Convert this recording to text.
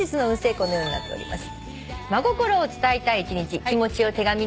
このようになっております。